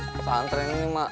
pesantren ini ma